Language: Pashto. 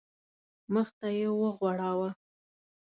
مخ ته یې وغوړاوه.